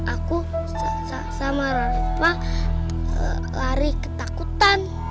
aku sama lari ketakutan